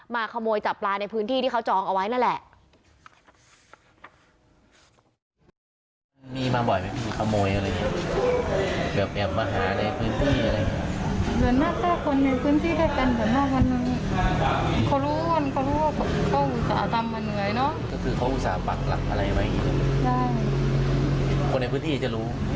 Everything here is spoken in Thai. ขโมยจับปลาในพื้นที่ที่เขาจองเอาไว้นั่นแหละ